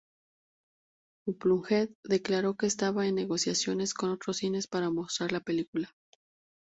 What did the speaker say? Unplugged declaró que estaba en negociaciones con otros cines para mostrar la película.